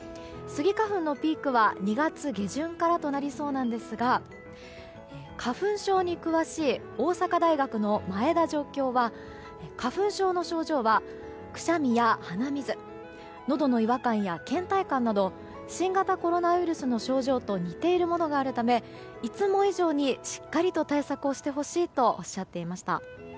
スギ花粉のピークは２月下旬からとなりそうなんですが花粉症に詳しい大阪大学の前田助教は花粉症の症状はくしゃみや鼻水のどの違和感や倦怠感など新型コロナウイルスの症状と似ているものがあるためいつも以上にしっかりと対策をしてほしいとおっしゃっていました。